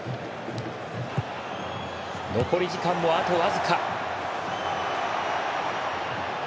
残り時間もあと僅か。